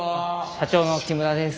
社長の木村です。